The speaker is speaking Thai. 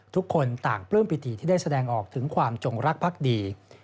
ทุกคนต่างปลื้มปิติที่ได้แสดงออกถึงความจงรักภักดี